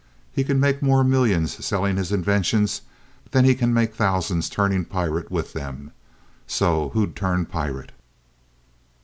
He can make more millions selling his inventions than he can make thousands turning pirate with them. So who'd turn pirate?"